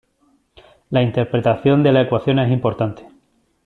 La interpretación de la ecuación es importante.